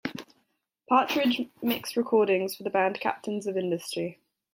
Partridge mixed recordings for the band Captains of Industry.